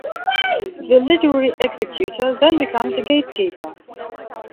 The literary executor then becomes a gatekeeper.